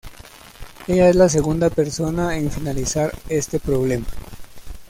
Ella es la segunda persona en finalizar este problema.